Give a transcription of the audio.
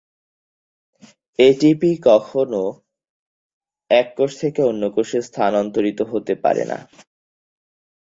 এ পত্রে তিনি সবাইকে বোর্ডের কাজকে বেগবান করার নির্দেশ প্রদান করেন।